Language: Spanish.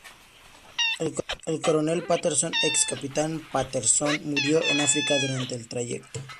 El Coronel Paterson, ex Capitán Paterson, murió en África durante el trayecto.